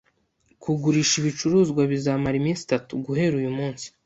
Kugurisha ibicuruzwa bizamara iminsi itatu, guhera uyu munsi